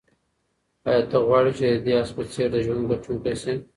آیا ته غواړې چې د دې آس په څېر د ژوند ګټونکی شې؟